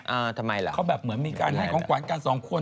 ทำไมล่ะเขาแบบเหมือนมีการให้ของขวัญกันสองคน